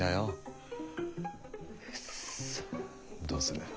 どうする？